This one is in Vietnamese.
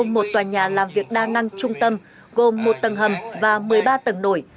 một tòa nhà làm việc đa năng trung tâm gồm một tầng hầm và một mươi ba tầng nổi